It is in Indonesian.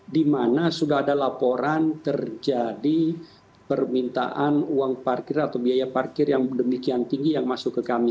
di mana sudah ada laporan terjadi permintaan uang parkir atau biaya parkir yang demikian tinggi yang masuk ke kami